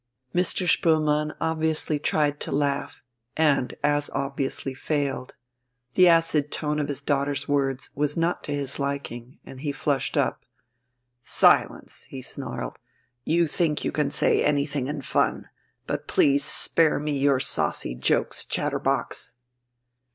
Mr. Spoelmann obviously tried to laugh, and as obviously failed; the acid tone of his daughter's words was not to his liking, and he flushed up. "Silence!" he snarled. "You think you can say anything in fun, but please spare me your saucy jokes, chatterbox!"